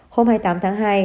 hôm hai mươi tám tháng hai